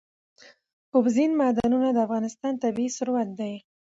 اوبزین معدنونه د افغانستان طبعي ثروت دی.